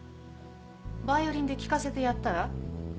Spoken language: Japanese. バイオリンで聴かせてやったら？